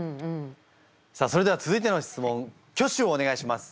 さあそれでは続いての質問挙手をお願いします。